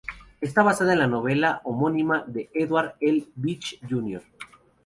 Está basada en la novela homónima de Edward L. Beach, Jr.